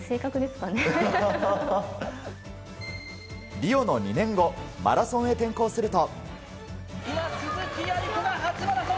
リオの２年後、マラソンへ転向すると。